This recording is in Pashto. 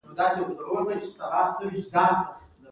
او هغه تر مخه دانه د ملا شعر وو.